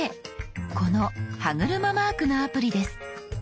この歯車マークのアプリです。